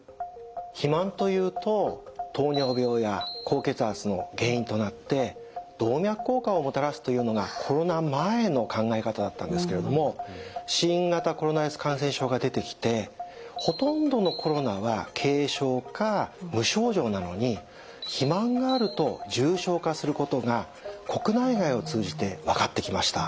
肥満というと糖尿病や高血圧の原因となって動脈硬化をもたらすというのがコロナ前の考え方だったんですけれども新型コロナウイルス感染症が出てきてほとんどのコロナは軽症か無症状なのに肥満があると重症化することが国内外を通じて分かってきました。